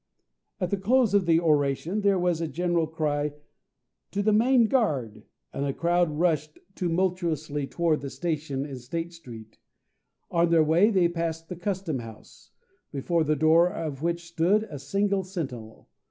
At the close of the oration there was a general cry "To the main guard!" and the crowd rushed tumultuously toward its station in State Street. On their way they passed the Custom House, before the door of which stood a single sentinel.